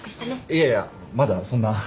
いやいやまだそんな。